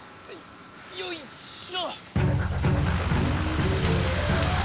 よいっしょ！